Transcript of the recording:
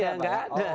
iya gak ada